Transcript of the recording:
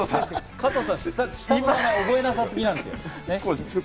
加藤さん、下の名前覚えなさすぎなんですよ。